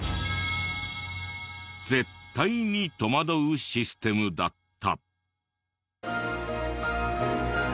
絶対に戸惑うシステムだった。